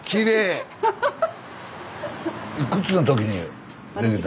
いくつの時に？